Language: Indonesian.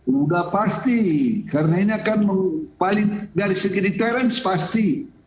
udah pasti karena ini akan paling dari segi deterance pasti